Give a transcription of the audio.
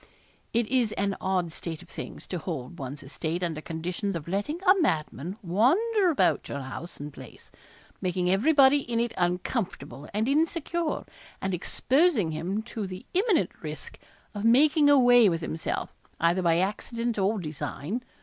It is an odd state of things to hold one's estate under condition of letting a madman wander about your house and place, making everybody in it uncomfortable and insecure and exposing him to the imminent risk of making away with himself, either by accident or design.